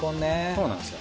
そうなんですよ。